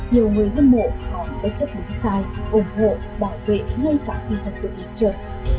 nhiều người hâm mộ còn bất chấp đúng sai ủng hộ bảo vệ ngay cả khi thần tượng bị trợt